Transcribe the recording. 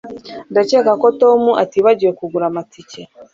Ndakeka ko Tom atibagiwe kugura amatike